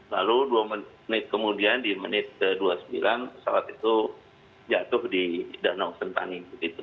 lalu dua menit kemudian di menit ke dua puluh sembilan pesawat itu jatuh di danau sentani